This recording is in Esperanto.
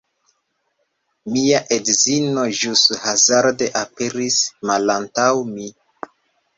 Mia edzino ĵus hazarde aperis malantaŭ mi